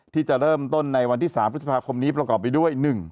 ที่จะเริ่มต้นในวันที่๓พฤษภาคมนี้ประกอบไปด้วย